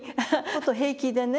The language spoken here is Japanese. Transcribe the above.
平気でね